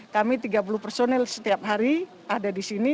kami tiga puluh personel setiap hari ada di sini